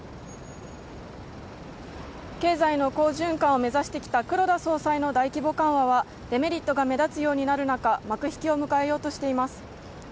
経済の好循環を目指してきた黒田総裁の大規模緩和はデメリットが目立つようになる中幕引きを迎えようとしています。